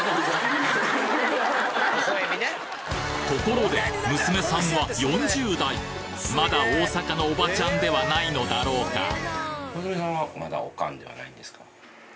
ところで娘さんは４０代まだ大阪のオバチャンではないのだろうか？